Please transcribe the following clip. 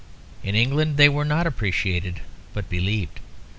In England they were not appreciated but believed.